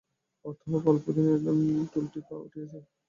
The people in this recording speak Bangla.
অর্থাভাবে অল্প দিনেই টোলটি উঠিয়া যায়।